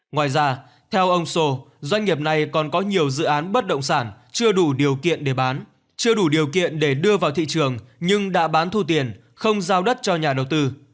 ngoài ra theo ông sô doanh nghiệp này còn có nhiều dự án bất động sản chưa đủ điều kiện để bán chưa đủ điều kiện để đưa vào thị trường nhưng đã bán thu tiền không giao đất cho nhà đầu tư